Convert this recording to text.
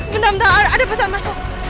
gendam tak ada pesan masuk